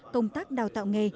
công tác đào tạo nghề